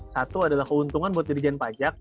satu adalah keuntungan buat dirijen pajak